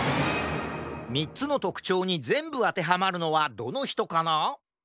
３つのとくちょうにぜんぶあてはまるのはどのひとかな？